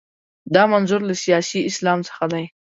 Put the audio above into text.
دا منظور له سیاسي اسلام څخه دی.